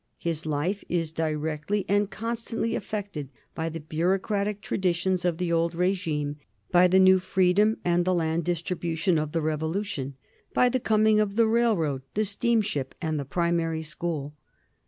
His life is directly and constantly affected by the bu reaucratic traditions of the Old Regime, by the new freedom and the land distribution of the Revolution, by the coming of the railroad, the steamship, and the primary school.